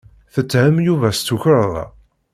Tetthem Yuba s tukerḍa.